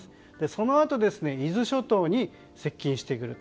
そのあと伊豆諸島に接近してくると。